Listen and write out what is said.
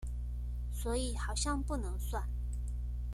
所以好像不能算